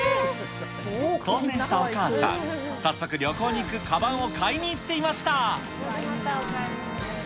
当せんしたお母さん、早速、旅行に行くかばんを買いに行っていました。